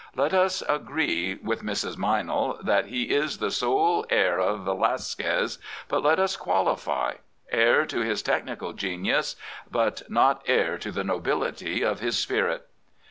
Let us agree with Mrs. Me5mell that he is the sole heir of Velasquez; but let us qualify — heir to his technical genius, but not heir to the nobility of his spirit.